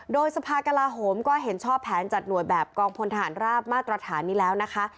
โดยสภากลาโหมก็เห็นชอบแผนจัดหน่วยแบบกองพลทหารราบมาตรฐานนี้แล้วนะคะ